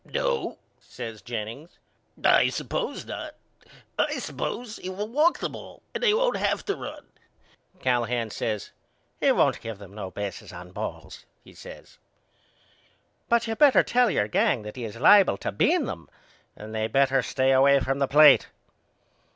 No, says Jennings I suppose not. I suppose he will walk them all and they won't have to run. Callahan says He won't give no bases on balls, he says. But you better tell your gang that he is liable to bean them and they better stay away from the plate.